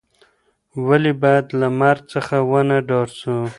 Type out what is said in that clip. ولي باید له مرګ څخه ونه ډار سو؟